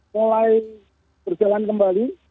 mulai berjalan kembali